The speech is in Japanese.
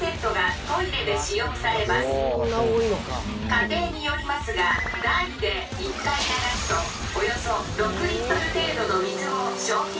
「家庭によりますが大で１回流すとおよそ６リットル程度の水を消費します」。